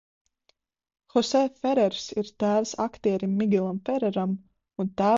Hosē Ferrers ir tēvs aktierim Migelam Ferreram un tēvocis aktierim Džordžam Klūnijam.